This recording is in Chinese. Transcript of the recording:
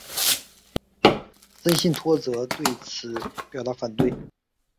森信托则对此表达反对。